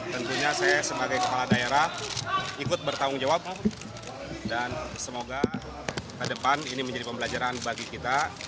tentunya saya sebagai kepala daerah ikut bertanggung jawab dan semoga ke depan ini menjadi pembelajaran bagi kita